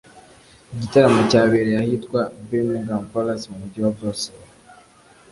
Iki gitaramo cyabereye ahitwa Birmingham Palace Mu Mujyi wa Brusel